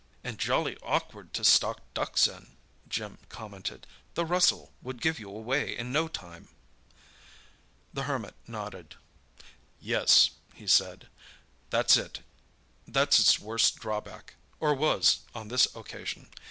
"And jolly awkward to stalk ducks in," Jim commented, "the rustle would give you away in no time." The Hermit nodded. "Yes," he said, "that's its worst drawback, or was, on this occasion.